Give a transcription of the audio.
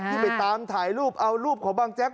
ที่ไปตามถ่ายรูปเอารูปของบางแจ๊ก